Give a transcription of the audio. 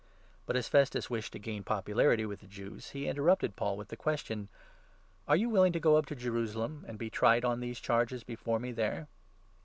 But, as Festus wished to gain 9 popularity with the Jews, he interrupted Paul with the ques tion : "Are you willing to go up to Jerusalem and be tried on these charges before me there